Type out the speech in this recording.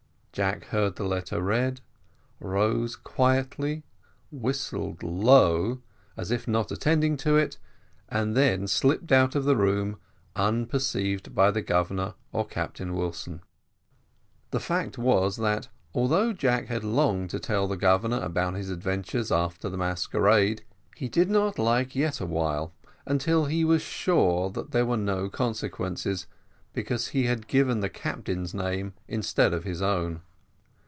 Jack heard the letter read, rose quietly, whistled low, as if not attending to it, and then slipped out of the room, unperceived by the Governor or Captain Wilson. The fact was, that although Jack had longed to tell the Governor about his adventures after the masquerade, he did not like yet awhile, until he was sure that there were no consequences because he had given the captain's name instead of his own.